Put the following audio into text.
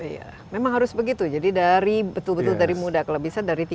iya memang harus begitu jadi dari betul betul dari muda kalau bisa dari tiga puluh